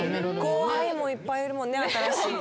後輩もいっぱいいるもんね新しい。